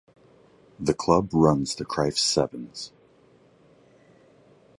The club runs the Crieff Sevens.